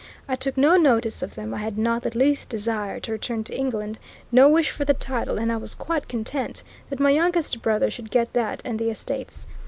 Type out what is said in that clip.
I took no notice of them I had not the least desire to return to England, no wish for the title, and I was quite content that my youngest brother should get that and the estates.